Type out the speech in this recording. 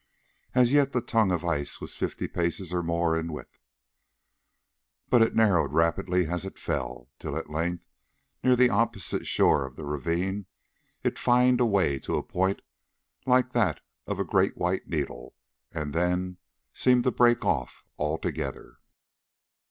As yet the tongue of ice was fifty paces or more in width, but it narrowed rapidly as it fell, till at length near the opposite shore of the ravine, it fined away to a point like that of a great white needle, and then seemed to break off altogether.